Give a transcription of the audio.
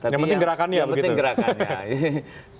yang penting gerakannya